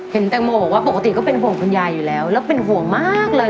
แตงโมบอกว่าปกติก็เป็นห่วงคุณยายอยู่แล้วแล้วเป็นห่วงมากเลย